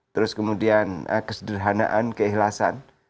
terus kemudian kesederhanaan keikhlasan